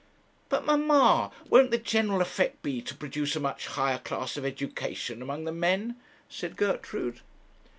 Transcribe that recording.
'But, mamma, won't the general effect be to produce a much higher class of education among the men?' said Gertrude.